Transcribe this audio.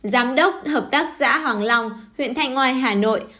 giám đốc hợp tác xã hoàng long huyện thanh ngoai hà nội